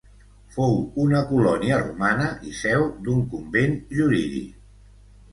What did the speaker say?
Fou una colònia romana i seu d'un convent jurídic.